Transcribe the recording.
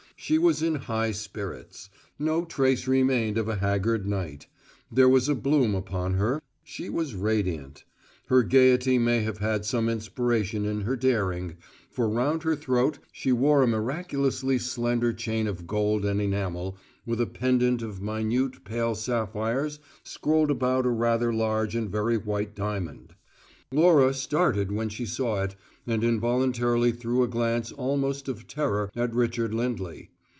She was in high spirits; no trace remained of a haggard night: there was a bloom upon her she was radiant. Her gayety may have had some inspiration in her daring, for round her throat she wore a miraculously slender chain of gold and enamel, with a pendant of minute pale sapphires scrolled about a rather large and very white diamond. Laura started when she saw it, and involuntarily threw a glance almost of terror at Richard Lindley.